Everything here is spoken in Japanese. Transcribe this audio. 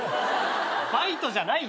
バイトじゃないよ。